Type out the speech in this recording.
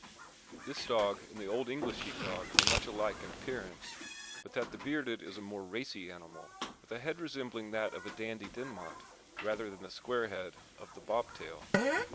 This dog and the Old English Sheepdog are much alike in appearance, but that the bearded is a more racy animal, with a head resembling that of the Dandie Dinmont rather than the square head of the Bobtail.